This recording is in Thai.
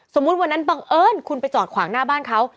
วันนั้นบังเอิญคุณไปจอดขวางหน้าบ้านเขา